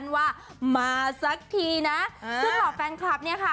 ว่ามาสักทีนะซึ่งเหล่าแฟนคลับเนี่ยค่ะ